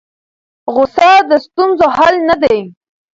غوسه د ستونزو حل نه دی.